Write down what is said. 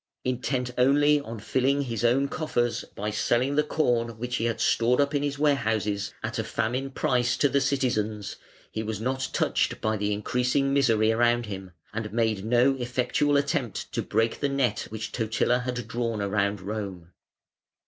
Intent only on filling his own coffers by selling the corn which he had stored up in his warehouses at a famine price to the citizens, he was not touched by the increasing misery around him, and made no effectual attempt to break the net which Totila had drawn round Rome.